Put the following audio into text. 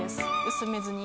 薄めずに。